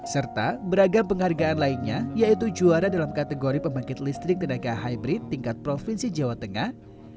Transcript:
serta beragam penghargaan lainnya yaitu juara dalam kategori pembangkit listrik tenaga hybrid tingkat provinsi jawa tengah